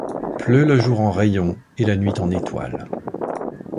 Pleut le jour en rayons et la nuit en étoiles.